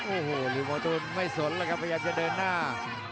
โอ้โหลิวเมาตุ้นไม่สนเลยครับพยายามจะเดินหน้า